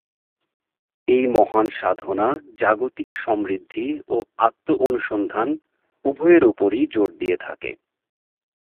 এই মহান সাধনা জাগতিক সমৃদ্ধি ও আত্ম-অনুসন্ধান উভয়ের উপরই জোর দিয়ে থাকে।